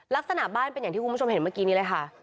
ลักษณะบ้านเป็นอย่างที่คุณผู้ชมเห็นเมื่อกี้นี้เลยค่ะ